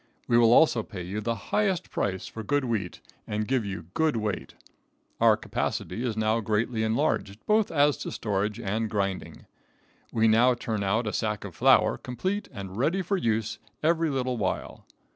We will also pay you the highest price for good wheat, and give you good weight. Our capacity is now greatly enlarged, both as to storage and grinding. We now turn out a sack of flour, complete and ready for use, every little while.